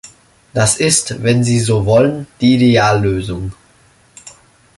Das ist, wenn Sie so wollen, die Ideallösung.